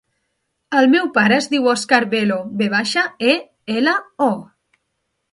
El meu pare es diu Òscar Velo: ve baixa, e, ela, o.